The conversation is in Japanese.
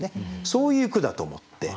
そういう句だと思って。